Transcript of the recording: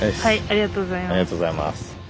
ありがとうございます。